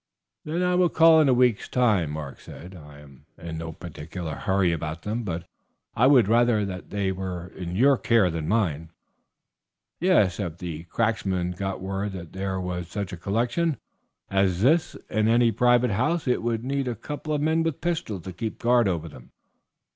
"Then I will call in a week's time," Mark said. "I am in no particular hurry about them, but I would rather that they were in your care than mine." "Yes, if the cracksmen got word that there was such a collection as this in any private house it would need a couple of men with pistols to keep guard over them."